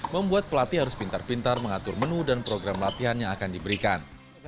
membuat pelatih harus pintar pintar mengatur menu dan program latihan yang akan diberikan